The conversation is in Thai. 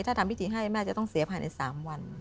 ถ้าทำพิธีให้แม่จะต้องเสียภายใน๓วัน